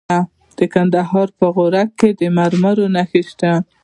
د کندهار په غورک کې د مرمرو نښې شته.